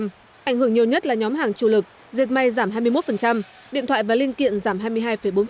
ảnh hưởng nhiều nhất là nhóm hàng chủ lực diệt may giảm hai mươi một điện thoại và linh kiện giảm hai mươi hai bốn